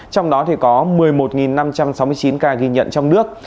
trong đó có một mươi một năm trăm sáu mươi chín ca ghi nhận trong nước